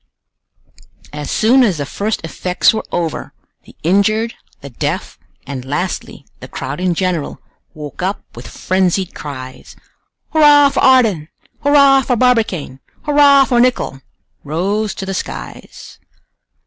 As soon as the first effects were over, the injured, the deaf, and lastly, the crowd in general, woke up with frenzied cries. "Hurrah for Ardan! Hurrah for Barbicane! Hurrah for Nicholl!" rose to the skies.